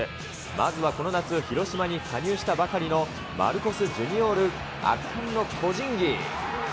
まずはこの夏、広島に加入したばかりのマルコス・ジュニオール、圧巻の個人技。